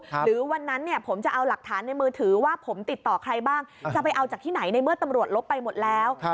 หรือวันนั้นเนี่ยผมจะเอาหลักฐานในมือถือว่าผมติดต่อใครบ้างจะไปเอาจากที่ไหนในเมื่อตำรวจลบไปหมดแล้ว